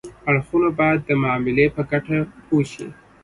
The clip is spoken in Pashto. اړخونه باید د معاملې په ګټو پوه شي